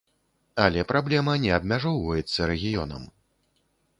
Але праблема не абмяжоўваецца рэгіёнам.